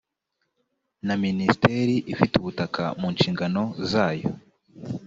na minisiteri ifite ubutaka mu nshingano zayo